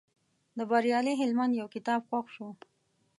د بریالي هلمند یو کتاب خوښ شو.